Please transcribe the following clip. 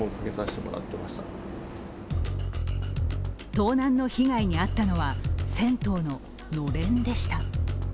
盗難の被害に遭ったのは、銭湯ののれんでした。